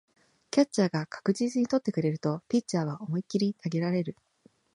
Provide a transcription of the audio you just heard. キャッチャーが確実に捕ってくれるとピッチャーは思いっきり投げられる